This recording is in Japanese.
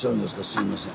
すいません。